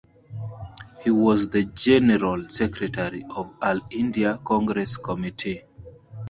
He was the general secretary of All India Congress Committee.